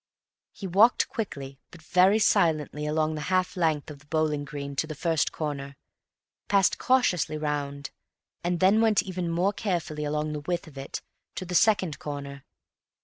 He walked quickly but very silently along the half length of the bowling green to the first corner, passed cautiously round, and then went even more carefully along the width of it to the second corner.